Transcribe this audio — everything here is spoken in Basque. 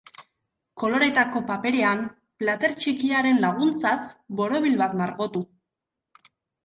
Koloretako paperean, plater txikiaren laguntzaz, borobil bat margotu.